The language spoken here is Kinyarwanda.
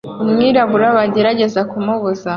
umwirabura bagerageza kumubuza